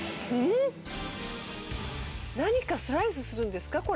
何かスライスするんですか？